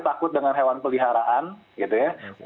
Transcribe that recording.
takut dengan hewan peliharaan gitu ya